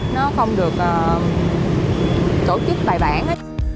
nó không được tổ chức bài bản ấy